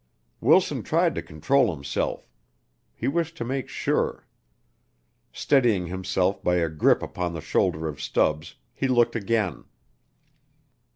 Wilson tried to control himself; he wished to make sure. Steadying himself by a grip upon the shoulder of Stubbs, he looked again.